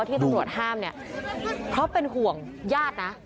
ว่าที่ต้องรวดห้ามเพราะเป็นห่วงญาตินะ